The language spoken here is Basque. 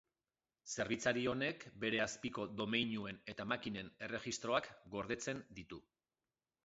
Zerbitzari honek bere azpiko domeinuen eta makinen erregistroak gordetzen ditu.